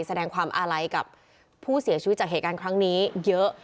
แสดงความอาลัยกับผู้เสียชีวิตจากเหตุการณ์ครั้งนี้เยอะ